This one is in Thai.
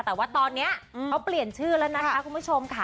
แต่ว่าตอนนี้เขาเปลี่ยนชื่อแล้วนะคะคุณผู้ชมค่ะ